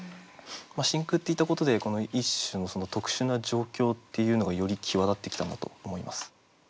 「真空」って言ったことでこの一種のその特殊な状況っていうのがより際立ってきたんだと思います。